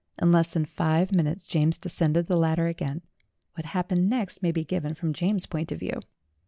In less than five minutes James descended the ladder again. What happened next may be given from James's point of view.